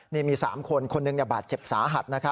นี่มี๓คนคนหนึ่งบาดเจ็บสาหัส